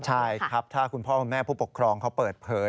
ใช่ครับถ้าคุณพ่อคุณแม่ผู้ปกครองเขาเปิดเผย